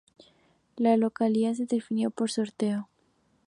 La localía se definió por sorteo.